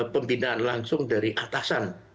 pembinaan langsung dari atasan